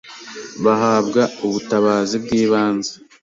bahabwa ubutabazi bw ibanze